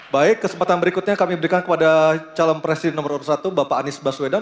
baik kesempatan berikutnya kami berikan kepada calon presiden nomor urut satu bapak anies baswedan